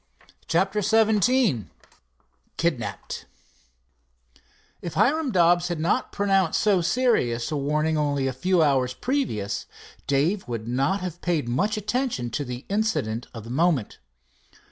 CHAPTER XVII KIDNAPPED If Hiram Dobbs had not pronounced so serious a warning only a few hours previous, Dave would not have paid much attention to the incident of the moment.